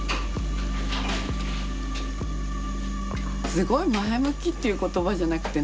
すごい前向きっていう言葉じゃなくて何ていうかな